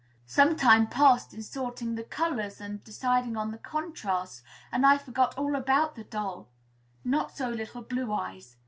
Some time passed in sorting the colors, and deciding on the contrasts, and I forgot all about the doll. Not so little Blue Eyes.